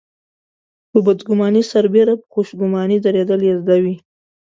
په بدګماني سربېره په خوشګماني درېدل يې زده وي.